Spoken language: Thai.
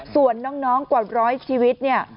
ส่วนน้องกว่าร้อยชีวิต